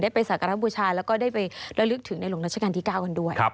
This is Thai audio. ไปสักการะบูชาแล้วก็ได้ไประลึกถึงในหลวงราชการที่๙กันด้วย